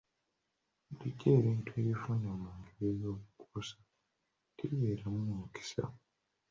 Bulijjo ebintu ebifune mu ngeri ey'obukuusa tebibeeramu mukisa.